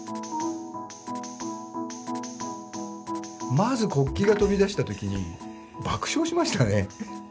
まず国旗が飛び出した時に爆笑しましたね。